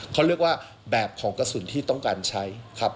เขาเรียกว่าแบบของกระสุนที่ต้องการใช้ครับ